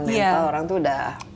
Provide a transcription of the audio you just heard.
mental orang tuh udah mungkin misalnya